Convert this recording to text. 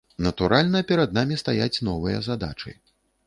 Натуральна, перад намі стаяць новыя задачы.